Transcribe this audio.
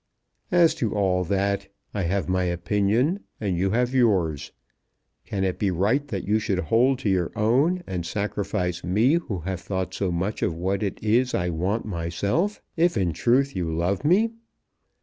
"As to all that, I have my opinion and you have yours. Can it be right that you should hold to your own and sacrifice me who have thought so much of what it is I want myself, if in truth you love me?